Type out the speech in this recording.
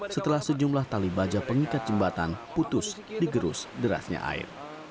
setelah sejumlah tali baja pengikat jembatan putus digerus derasnya air